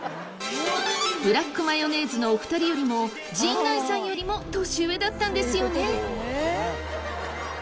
ブラックマヨネーズのお二人よりも、陣内さんよりも年上だったんですよね！